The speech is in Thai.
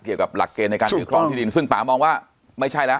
เกี่ยวกับหลักเกณฑ์ในการถือครองที่ดินซึ่งป่ามองว่าไม่ใช่แล้ว